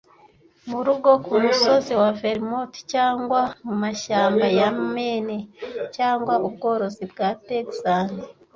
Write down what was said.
Murugo kumusozi wa Vermont cyangwa mumashyamba ya Maine, cyangwa ubworozi bwa Texan,